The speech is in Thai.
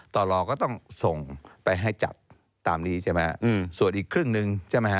ต่อรอก็ต้องส่งไปให้จัดตามนี้ส่วนอีกครึ่งหนึ่ง